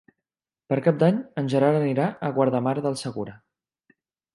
Per Cap d'Any en Gerard anirà a Guardamar del Segura.